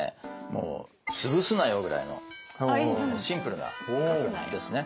もう「つぶすなよ」ぐらいのシンプルなやつですね。